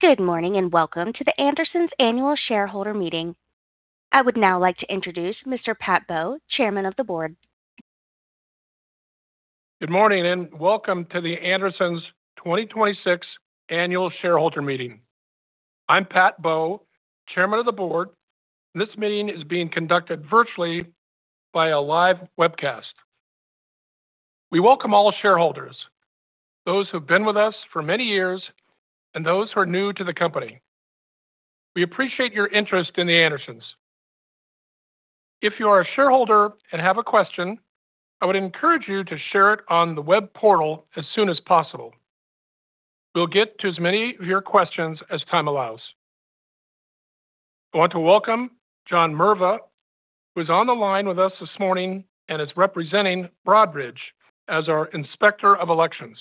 Good morning, and welcome to The Andersons' Annual Shareholder Meeting. I would now like to introduce Mr. Pat Bowe, Chairman of the Board. Good morning, and welcome to The Andersons' 2026 Annual Shareholder Meeting. I'm Pat Bowe, Chairman of the Board. This meeting is being conducted virtually by a live webcast. We welcome all shareholders, those who've been with us for many years and those who are new to the company. We appreciate your interest in The Andersons. If you are a shareholder and have a question, I would encourage you to share it on the web portal as soon as possible. We'll get to as many of your questions as time allows. I want to welcome John Merva, who is on the line with us this morning and is representing Broadridge as our Inspector of Elections.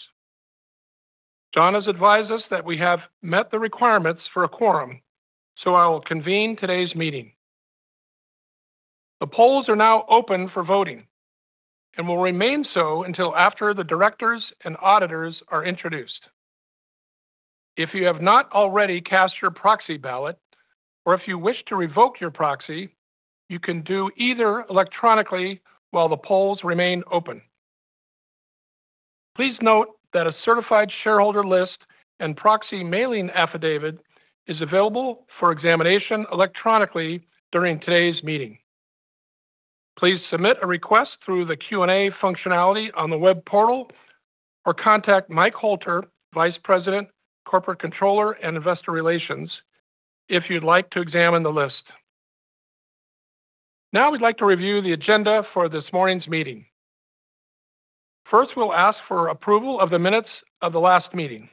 John has advised us that we have met the requirements for a quorum, so I will convene today's meeting. The polls are now open for voting and will remain so until after the directors and auditors are introduced. If you have not already cast your proxy ballot or if you wish to revoke your proxy, you can do either electronically while the polls remain open. Please note that a certified shareholder list and proxy mailing affidavit is available for examination electronically during today's meeting. Please submit a request through the Q&A functionality on the web portal or contact Mike Hoelter, Vice President, Corporate Controller and Investor Relations, if you'd like to examine the list. Now I'd like to review the agenda for this morning's meeting. First, we'll ask for approval of the minutes of the last meeting.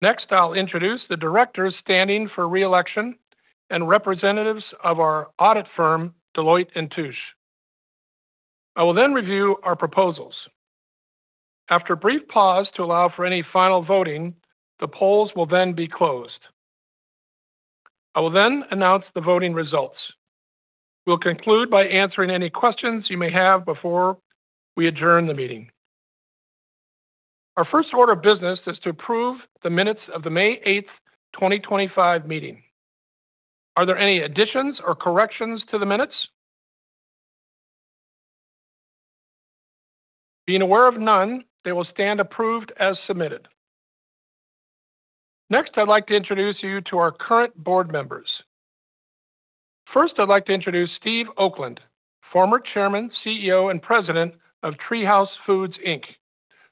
Next, I'll introduce the directors standing for re-election and representatives of our audit firm, Deloitte & Touche. I will review our proposals. After a brief pause to allow for any final voting, the polls will then be closed. I will announce the voting results. We'll conclude by answering any questions you may have before we adjourn the meeting. Our first order of business is to approve the minutes of the May 8th, 2025 meeting. Are there any additions or corrections to the minutes? Being aware of none, they will stand approved as submitted. I'd like to introduce you to our current board members. I'd like to introduce Steve Oakland, former Chairman, CEO, and President of TreeHouse Foods, Inc.,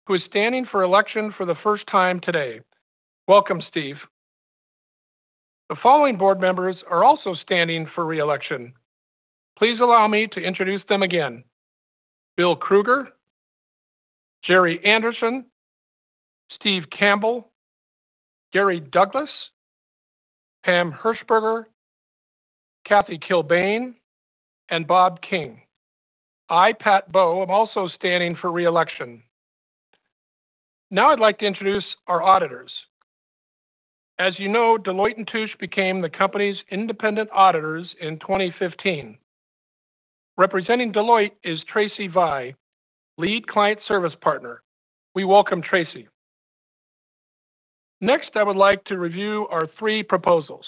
who is standing for election for the first time today. Welcome, Steve. The following board members are also standing for re-election. Please allow me to introduce them again. Bill Krueger, Gerry Anderson, Steve Campbell, Gary Douglas, Pam Hershberger, Cathy Kilbane, and Bob King. I, Pat Bowe, am also standing for re-election. Now I'd like to introduce our auditors. As you know, Deloitte & Touche became the company's independent auditors in 2015. Representing Deloitte is Tracy Vigh, Lead Client Service Partner. We welcome Tracy. Next, I would like to review our three proposals.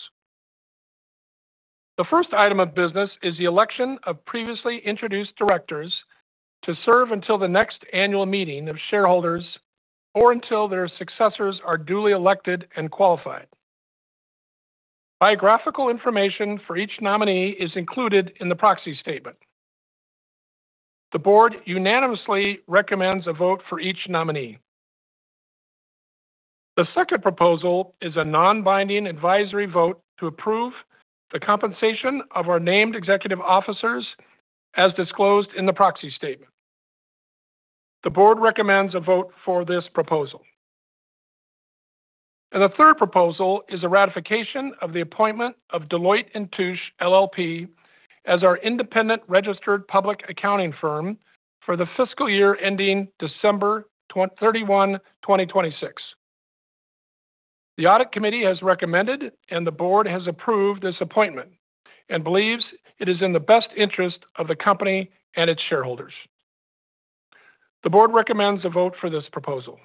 The first item of business is the election of previously introduced directors to serve until the next annual meeting of shareholders or until their successors are duly elected and qualified. Biographical information for each nominee is included in the proxy statement. The board unanimously recommends a vote for each nominee. The second proposal is a non-binding advisory vote to approve the compensation of our named executive officers as disclosed in the proxy statement. The board recommends a vote for this proposal. The third proposal is a ratification of the appointment of Deloitte & Touche, LLP as our independent registered public accounting firm for the fiscal year ending December 31, 2026. The audit committee has recommended and the board has approved this appointment, and believes it is in the best interest of the company and its shareholders. The board recommends a vote for this proposal.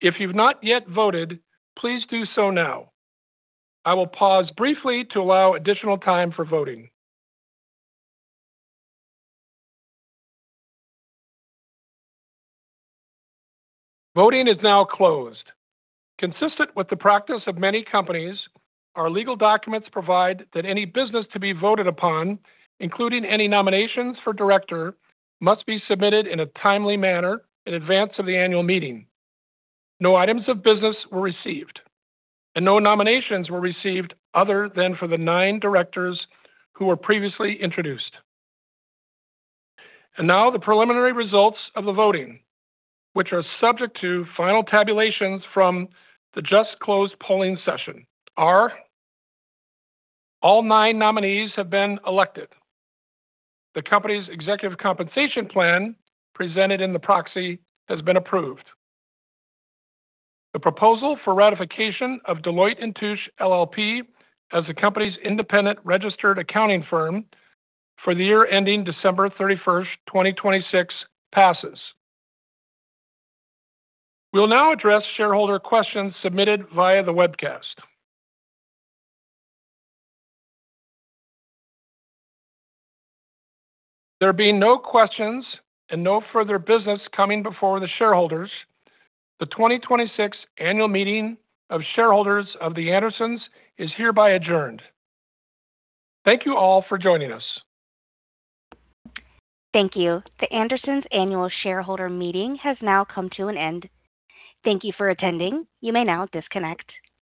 If you've not yet voted, please do so now. I will pause briefly to allow additional time for voting. Voting is now closed. Consistent with the practice of many companies, our legal documents provide that any business to be voted upon, including any nominations for director, must be submitted in a timely manner in advance of the annual meeting. No items of business were received, and no nominations were received other than for the nine directors who were previously introduced. Now, the preliminary results of the voting, which are subject to final tabulations from the just-closed polling session are: all nine nominees have been elected. The company's executive compensation plan presented in the proxy has been approved. The proposal for ratification of Deloitte & Touche, LLP as the company's independent registered accounting firm for the year ending December 31st, 2026 passes. We'll now address shareholder questions submitted via the webcast. There being no questions and no further business coming before the shareholders, the 2026 Annual Meeting of Shareholders of The Andersons is hereby adjourned. Thank you all for joining us. Thank you. The Andersons Annual Shareholder Meeting has now come to an end. Thank you for attending. You may now disconnect.